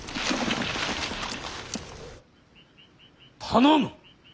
頼む。